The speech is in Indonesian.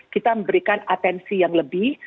kita memberikan atensi yang lebih